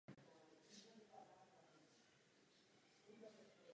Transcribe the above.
Po dvaceti letech života v Hollywoodu se přestěhoval do kanadského Montrealu.